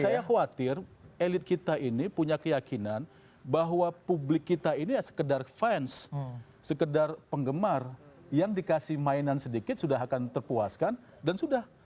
saya khawatir elit kita ini punya keyakinan bahwa publik kita ini ya sekedar fans sekedar penggemar yang dikasih mainan sedikit sudah akan terpuaskan dan sudah